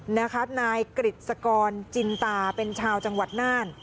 นายกฤษกรจินตาเป็นชาวจังหวัดน่าน